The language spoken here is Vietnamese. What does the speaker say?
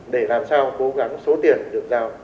để làm sao cố gắng số tiền được giao